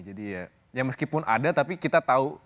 jadi ya meskipun ada tapi kita tau